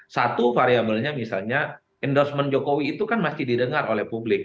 satu variabelnya misalnya endorsement jokowi itu kan masih didengar oleh publik